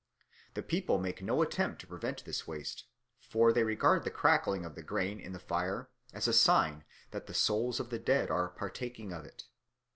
The people make no attempt to prevent this waste; for they regard the crackling of the grain in the fire as a sign that the souls of the dead are partaking of it.